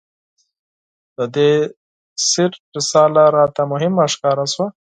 د دې سیر رساله راته مهمه ښکاره شوه.